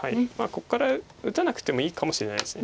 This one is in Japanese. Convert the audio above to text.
ここから打たなくてもいいかもしれないです。